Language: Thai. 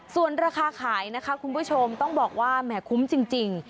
ส่วนราคาขายนะคะคุณผู้ชมต้องบอกว่าแหมคุ้มจริง